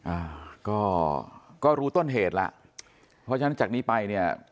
อ่าก็ก็รู้ต้นเหตุล่ะเพราะฉะนั้นจากนี้ไปเนี่ย